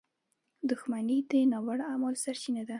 • دښمني د ناوړه اعمالو سرچینه ده.